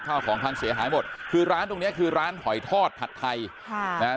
ข้าวของพังเสียหายหมดคือร้านตรงเนี้ยคือร้านหอยทอดผัดไทยค่ะนะฮะ